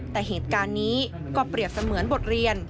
แต่เหตุการณ์นี้ก็เปรียบเสมือนบทเรียน